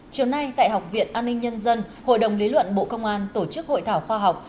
chiều nay tại học viện an ninh nhân dân hội đồng lý luận bộ công an tổ chức hội thảo khoa học